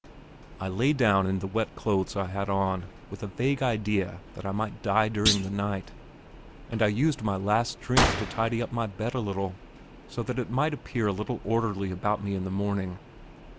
I lay down in the wet clothes I had on, with a vague idea that I might die during the night. And I used my last strength to tidy up my bed a little, so that it might appear a little orderly about me in the morning.